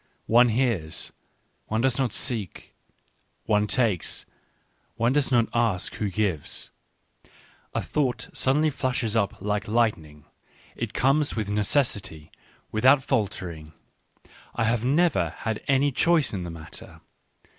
One hears — one does not seek ; one takes — one does not ask who gives: a thought suddenly flashes up like lightning, it comes with necessity, without faltering — I have never had any choice in the matter.